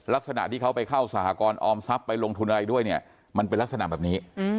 ลักษณะที่เขาไปเข้าสหกรออมทรัพย์ไปลงทุนอะไรด้วยเนี่ยมันเป็นลักษณะแบบนี้